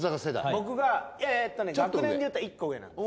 僕が学年でいったら１個上なんです。